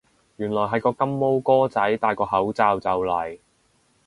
原來係個金毛哥仔戴個口罩就嚟